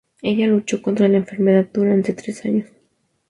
Ella luchó contra la enfermedad durante tres años.